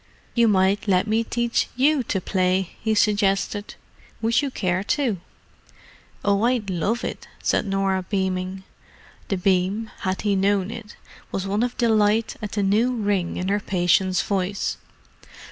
"You might let me teach you to play," he suggested. "Would you care to?" "Oh, I'd love it," said Norah, beaming. The beam, had he known it, was one of delight at the new ring in her patient's voice.